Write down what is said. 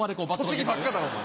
栃木ばっかだなお前。